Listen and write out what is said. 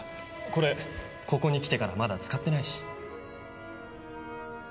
これここに来てからまだ使ってないし。